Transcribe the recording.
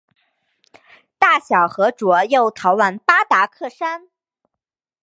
大小和卓又逃往巴达克山。